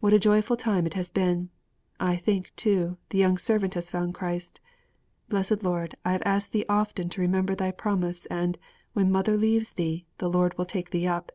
What a joyful time it has been! I think, too, the young servant has found Christ. Blessed Lord, I have asked Thee often to remember Thy promise, and "when mother leaves thee, the Lord will take thee up."